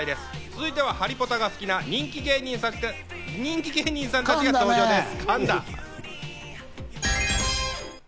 続いては『ハリポタ』好きな人気芸人さんたちが登場です。